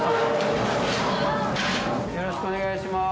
よろしくお願いします。